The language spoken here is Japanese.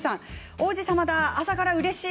王子様だ、朝からうれしい。